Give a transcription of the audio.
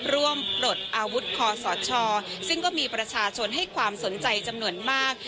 ปลดอาวุธคอสชซึ่งก็มีประชาชนให้ความสนใจจำนวนมาก